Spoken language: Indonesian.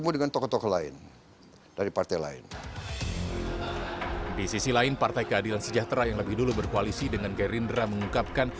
di sisi lain partai keadilan sejahtera yang lebih dulu berkoalisi dengan gerindra mengungkapkan